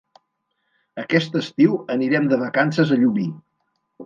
Aquest estiu anirem de vacances a Llubí.